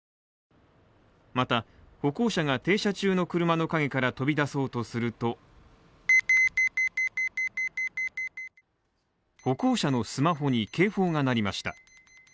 また、歩行者が停車中の車の陰から飛び出そうとすると歩行者のスマホに警報が鳴りました。